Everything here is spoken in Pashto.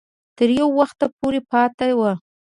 تر یو وخته پورې پاته وو.